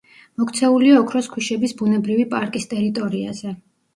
მოქცეულია ოქროს ქვიშების ბუნებრივი პარკის ტერიტორიაზე.